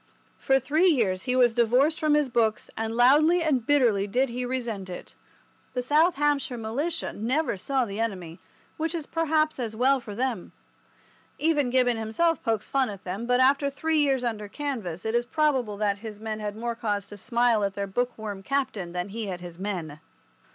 For three years he was divorced from his books, and loudly and bitterly did he resent it. The South Hampshire Militia never saw the enemy, which is perhaps as well for them. Even Gibbon himself pokes fun at them; but after three years under canvas it is probable that his men had more cause to smile at their book worm captain than he at his men.